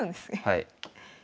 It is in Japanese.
はい。